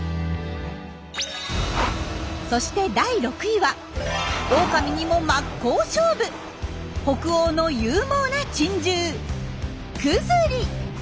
そして第６位はオオカミにも真っ向勝負北欧の勇猛な珍獣クズリ。